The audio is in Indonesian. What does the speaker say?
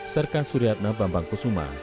serka suriatna bambang kosuma